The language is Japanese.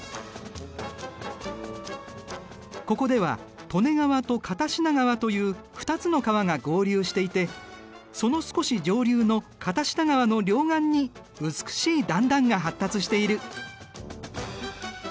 ここでは利根川と片品川という２つの川が合流していてその少し上流の片品川の両岸に美しい段々が発達している。